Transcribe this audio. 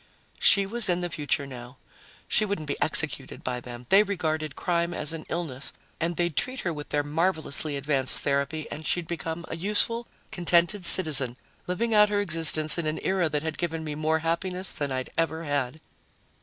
She was in the future now. She wouldn't be executed by them; they regarded crime as an illness, and they'd treat her with their marvelously advanced therapy and she'd become a useful, contented citizen, living out her existence in an era that had given me more happiness than I'd ever had.